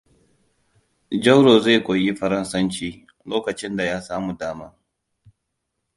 Jauro zai koyi faransanci lokacn da ya samu dama.